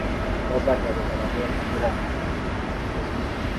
Robert aligharamia chakula tulichokula